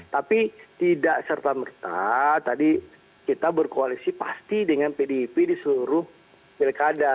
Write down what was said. tapi tidak serta merta tadi kita berkoalisi pasti dengan pdip di seluruh pilkada